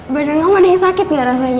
badan kamu ada yang sakit gak rasanya